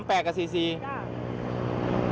๓๘นี่มันออกเวลาที่กี่กาย